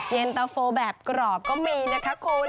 เย็นตะโฟแบบกรอบก็มีนะคะคุณ